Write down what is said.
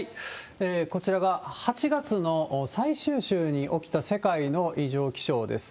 こちらが８月の最終週に起きた世界の異常気象です。